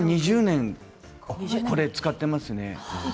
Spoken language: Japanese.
もう２０年これを使っていますね。